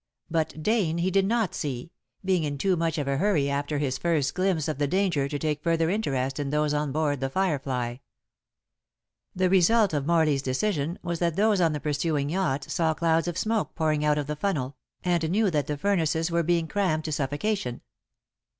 But Dane he did not see, being in too much of a hurry after his first glimpse of the danger to take further interest in those on board The Firefly. The result of Morley's decision was that those on the pursuing yacht saw clouds of smoke pouring out of the funnel, and knew that the furnaces were being crammed to suffocation.